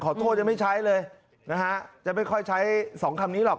โทษยังไม่ใช้เลยนะฮะจะไม่ค่อยใช้สองคำนี้หรอก